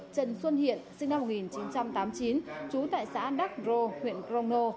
trần xuân hiện sinh năm một nghìn chín trăm tám mươi chín trú tại xã đắc rô huyện crono